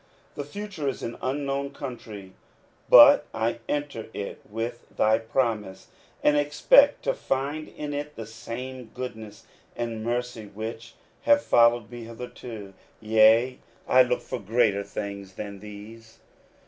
The future is an unknown country, but I enter it with thy promise, and expect to find in it the same goodness and mercy which have followed me hitherto ; yea, I look for greater things than these.